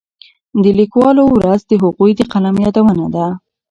د لیکوالو ورځ د هغوی د قلم یادونه ده.